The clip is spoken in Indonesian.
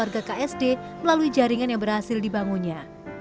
sebagai seorang pembina keluarga ksd melalui jaringan yang berhasil dibangunnya